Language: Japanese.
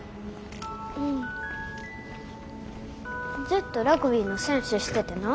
ずっとラグビーの選手しててな。